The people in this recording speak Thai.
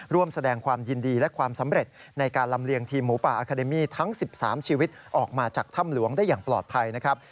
ร่วมแสดงความยินดีและความสำเร็จในการลำเลียงทีมหมูป่าอาคาเดมี่ทั้ง๑๓ชีวิตออกมาจากถ้ำหลวงได้อย่างปลอดภัยนะครับ